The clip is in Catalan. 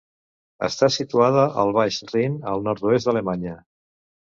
Està situada al baix Rin, al nord-oest d'Alemanya.